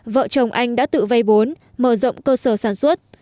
vợ chồng anh đã tự vây bốn mở rộng cơ sở sản xuất